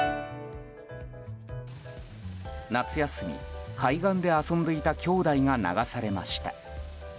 夏休み海岸で遊んでいた兄弟が流されました。